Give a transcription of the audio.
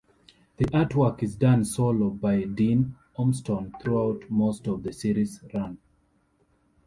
The artwork is done solo by Dean Ormston throughout most of the series' run.